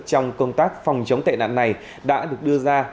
trong công tác phòng chống tệ nạn này đã được đưa ra